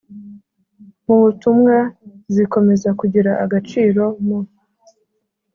m’ ubutumwa zikomeza kugira agaciro mu